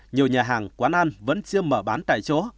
nhiều nhà hàng quán ăn vẫn chưa mở bán tại chỗ